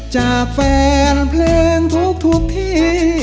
จากแฟนเพลงทุกที่